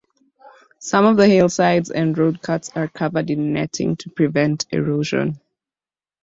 Some of the hillsides and road cuts are covered in netting to prevent erosion.